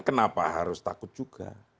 kenapa harus takut juga